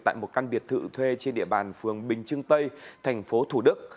tại một căn biệt thự thuê trên địa bàn phường bình trưng tây thành phố thủ đức